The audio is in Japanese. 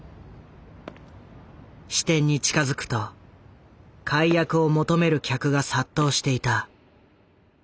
支店に近づくと解約を求める客が殺到していた。